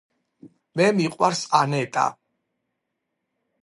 მე მიყვარს ანეტა